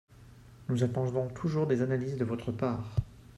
Nous attendons toujours des analyses de votre part